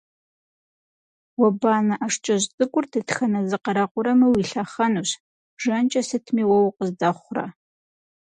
Уэ банэ ӀэшкӀэжь цӀыкӀур дэтхэнэ зы къарэкъурэми уилъэхъэнущ, жэнкӀэ сытми уэ укъыздэхъурэ!